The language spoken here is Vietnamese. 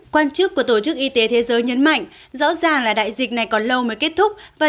quan chức của tổ chức y tế thế giới nhấn mạnh rõ ràng là đại dịch này còn lâu mới kết thúc và